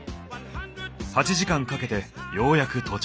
８時間かけてようやく到着。